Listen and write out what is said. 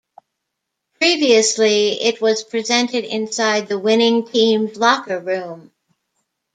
Previously, it was presented inside the winning team's locker room.